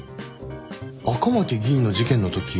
赤巻議員の事件のとき